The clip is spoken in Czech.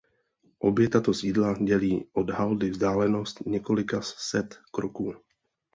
Obě tato sídla dělí od haldy vzdálenost několika set kroků.